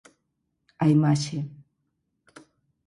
A imaxe.